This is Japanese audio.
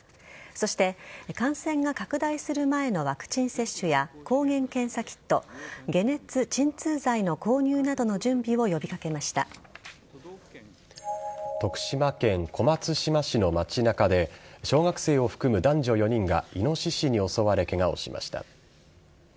そして、感染が拡大する前のワクチン接種や抗原検査キット解熱鎮痛剤の購入などの準備を徳島県小松島市の街中で小学生を含む男女４人がイノシシに襲われケガをしました。